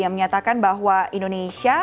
yang menyatakan bahwa indonesia